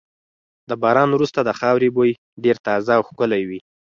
د باران وروسته د خاورې بوی ډېر تازه او ښکلی وي.